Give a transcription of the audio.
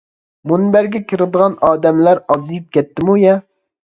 مۇنبەرگە كىرىدىغان ئادەملەر ئازىيىپ كەتتىمۇ يە.